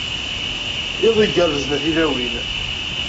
Iḍ igerrzen a tilawin.